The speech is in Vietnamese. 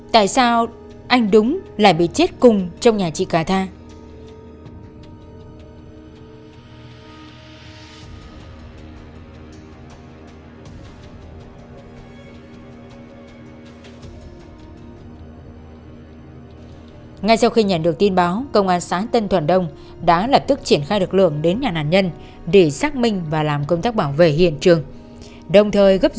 tại sao anh đúng bị thiêu cháy cùng ở nhà mẹ này